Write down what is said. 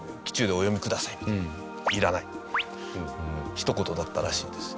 ひと言だったらしいんです。